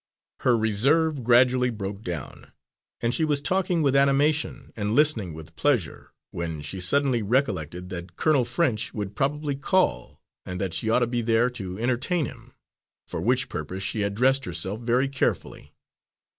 Her reserve gradually broke down, and she was talking with animation and listening with pleasure, when she suddenly recollected that Colonel French would probably call, and that she ought to be there to entertain him, for which purpose she had dressed herself very carefully.